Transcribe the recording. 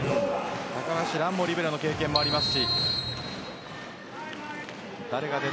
高橋藍もリベロの経験があります。